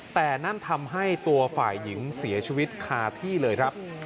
แต่นั่นทำให้ตัวฝ่ายหญิงเสียชีวิตคาที่เลยครับ